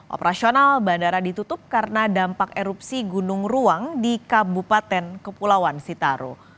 operasional bandara ditutup karena dampak erupsi gunung ruang di kabupaten kepulauan sitaro